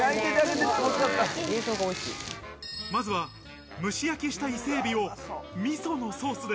まずは蒸し焼きした伊勢海老を味噌のソースで。